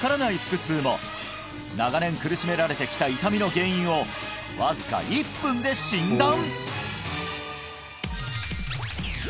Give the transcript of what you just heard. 腹痛も長年苦しめられてきた痛みの原因をわずか１分で診断！？